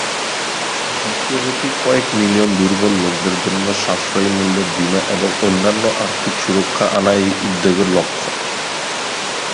বিশ্বব্যাপী কয়েক মিলিয়ন দুর্বল লোকদের জন্য সাশ্রয়ী মূল্যের বীমা এবং অন্যান্য আর্থিক সুরক্ষা আনা এই উদ্যোগের লক্ষ্য।